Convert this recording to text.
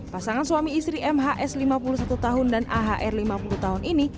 pasangan suami istri mhs lima puluh satu tahun dan ahr lima puluh tahun ini